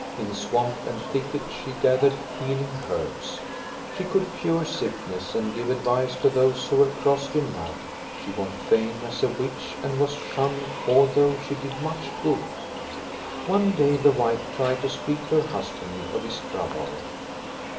In swamp and thicket she gathered healing herbs. She could cure sickness, and give advice to those who were crossed in love. She won fame as a witch, and was shunned, although she did much good. One day the wife tried to speak to her husband of his trouble.